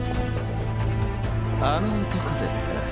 あの男ですか。